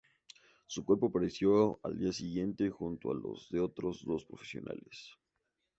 Su cuerpo apareció al día siguiente junto a los de otros dos profesionales.